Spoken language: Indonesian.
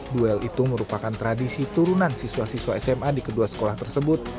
duel itu merupakan tradisi turunan siswa siswa sma di kedua sekolah tersebut